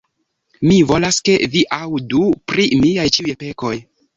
Mi volas, ke vi aŭdu pri miaj ĉiuj pekoj!